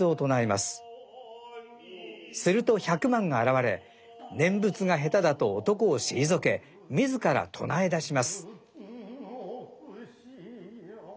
すると百万が現れ念仏が下手だと男を退け自ら唱えだします。